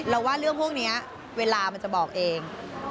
ว่าเรื่องพวกนี้เวลามันจะบอกเอง